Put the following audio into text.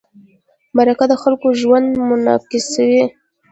مرکه د خلکو ژوند منعکسوي.